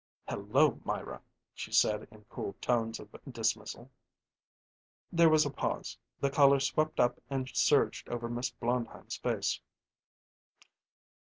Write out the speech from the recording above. "Hello, Myra!" she said in cool tones of dismissal. There was a pause; the color swept up and surged over Miss Blondheim's face.